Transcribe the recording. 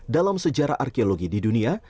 dalam sejarah arkeologi di dunia